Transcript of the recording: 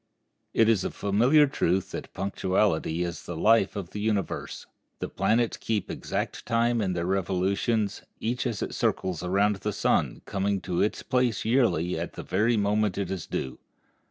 It is a familiar truth that punctuality is the life of the universe. The planets keep exact time in their revolutions, each as it circles around the sun coming to its place yearly at the very moment it is due.